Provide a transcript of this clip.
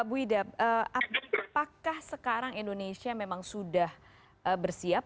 bu ida apakah sekarang indonesia memang sudah bersiap